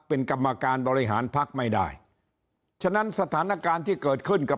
เป็นกรรมการบริหารพักไม่ได้ฉะนั้นสถานการณ์ที่เกิดขึ้นกับ